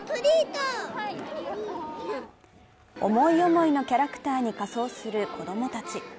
思い思いのキャラクターに仮装する子供たち。